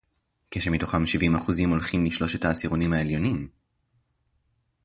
כשמתוכם שבעים אחוזים הולכים לשלושת העשירונים העליונים